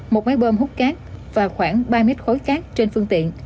một máy bơm hút cát và khoảng ba mét khối cát trên phương tiện